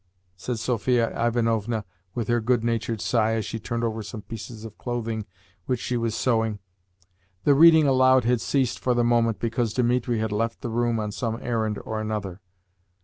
said Sophia Ivanovna with her good natured sigh as she turned over some pieces of clothing which she was sewing. The reading aloud had ceased for the moment because Dimitri had left the room on some errand or another.